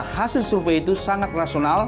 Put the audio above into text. hasil survei itu sangat rasional